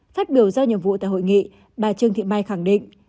phát biểu do nhiệm vụ tại hội nghị bà trương thị mai khẳng định